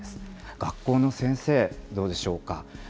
学校の先生、どうでしょうか。